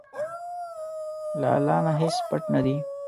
له الله نه هیڅ پټ نه دي.